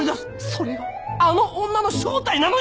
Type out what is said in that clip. それがあの女の正体なのよ！